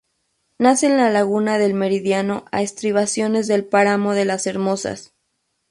Nace en la laguna del meridiano a estribaciones del Páramo de Las Hermosas.